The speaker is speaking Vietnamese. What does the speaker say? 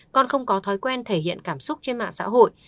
con không có thói quen thể hiện cảm xúc trên mạng xã hội